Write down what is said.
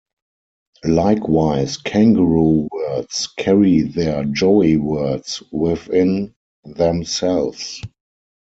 Likewise, "kangaroo words" carry their "joey words" within themselves.